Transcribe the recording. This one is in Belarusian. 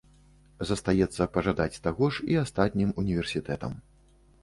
Застаецца пажадаць таго ж і астатнім універсітэтам.